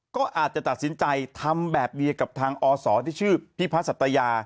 ก็อาจจะตัดสินใจทำแบบเดียวกับทางอศที่ชื่อพิพัฒยา